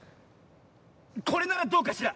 これならどうかしら？